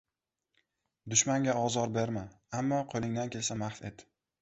— Dushmanga ozor berma, ammo qo‘lingdan kelsa mahv et.